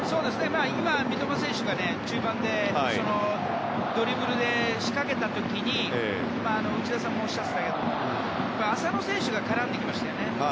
今、三笘選手が中盤でドリブルで仕掛けた時に内田さんもおっしゃってたけど浅野選手が絡んできましたよね。